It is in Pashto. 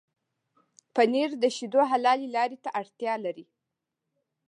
پنېر د شيدو حلالې لارې ته اړتيا لري.